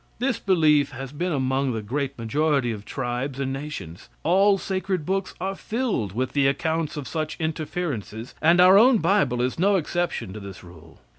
This belief has been among the great majority of tribes and nations. All sacred books are filled with the accounts of such interferences, and our own bible is no exception to this rule.